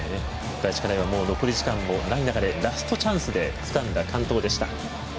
第１課題は残り時間も少ない中でラストチャンスでつかんだ完登でした。